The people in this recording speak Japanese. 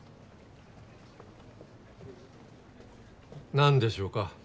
何でしょうか？